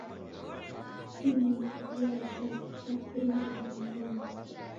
Idime diajha vijapendo na mungulu.